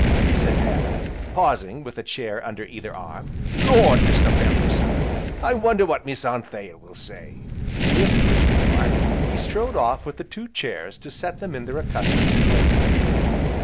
said Adam, pausing with a chair under either arm, "Lord, Mr. Belloo sir, I wonder what Miss Anthea will say?" with which remark he strode off with the two chairs to set them in their accustomed places.